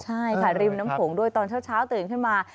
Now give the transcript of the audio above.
ใช่ค่ะริมน้ำโขงด้วยตอนเช้าตื่นขึ้นมา